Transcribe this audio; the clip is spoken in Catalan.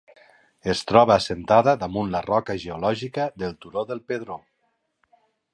Es troba assentada damunt la roca geològica del turó del Pedró.